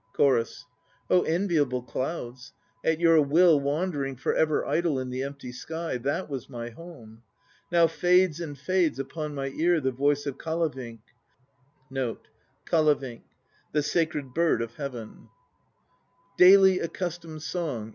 CHORUS. Oh, enviable clouds, At your will wandering For ever idle in the empty sky That was my home! Now fades and fades upon my ear The voice of Kalavink, 1 Daily accustomed song.